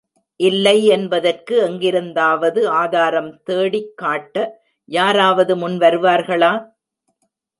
இல்லை என்பதற்கு எங்கிருந்தாவது ஆதாரம் தேடிக்காட்ட, யாராவது முன் வருவார்களா?